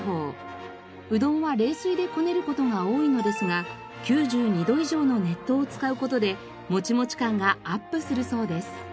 うどんは冷水でこねる事が多いのですが９２度以上の熱湯を使う事でもちもち感がアップするそうです。